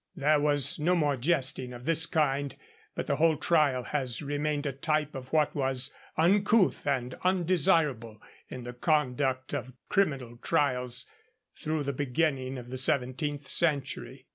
There was no more jesting of this kind, but the whole trial has remained a type of what was uncouth and undesirable in the conduct of criminal trials through the beginning of the seventeenth century.